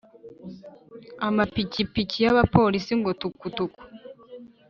amapikipiki y’abapolisi ngo tukutuku